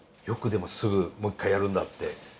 よくでもすぐもう一回やるんだって。